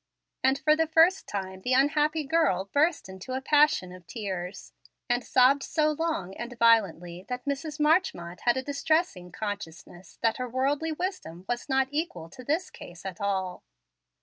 And, for the first time, the unhappy girl burst into a passion of tears, and sobbed so long and violently that Mrs. Marchmont had a distressing consciousness that her worldly wisdom was not equal to this case at all.